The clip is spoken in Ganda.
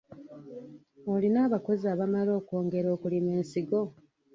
Olina abakozi abamala okwongera okulima ensigo?